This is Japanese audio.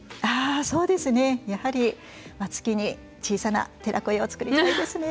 そうですねやはり月に小さな寺子屋を作りたいですね。